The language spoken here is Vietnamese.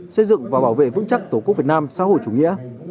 xây dựng và bảo vệ vững chắc tổ quốc việt nam xã hội chủ nghĩa